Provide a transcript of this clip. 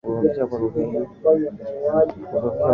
kuudhoofisha kwa lugha hii Kundi la tatu la